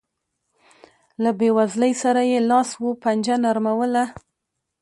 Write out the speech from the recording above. له بېوزلۍ سره یې لاس و پنجه نرموله.